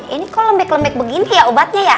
ini kok lembek lembek begini ya obatnya ya